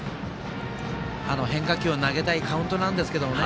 変化球を投げたいカウントなんですけどね。